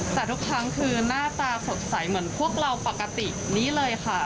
แต่ทุกครั้งคือหน้าตาสดใสเหมือนพวกเราปกตินี่เลยค่ะ